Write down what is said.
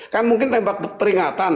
kan mungkin tembak peringatan